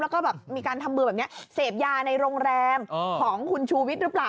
แล้วก็แบบมีการทำมือแบบนี้เสพยาในโรงแรมของคุณชูวิทย์หรือเปล่า